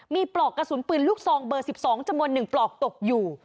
มีปลอกกระสุนปืนลูกซองเบอร์๑๒จำนวน๑ปลอกตกอยู่